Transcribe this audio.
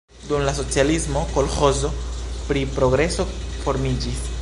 Dum la socialismo kolĥozo pri Progreso formiĝis.